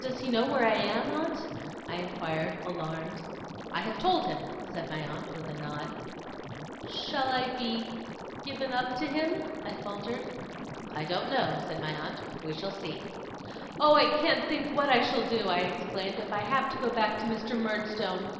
'Does he know where I am, aunt?' I inquired, alarmed. 'I have told him,' said my aunt, with a nod. 'Shall I be given up to him?' I faltered. 'I don't know,' said my aunt. 'We shall see.' 'Oh! I can't think what I shall do,' I exclaimed, 'if I have to go back to Mr. Murdstone!